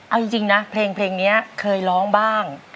เอาจริงนะเพลงนี้เคยร้องบ้าง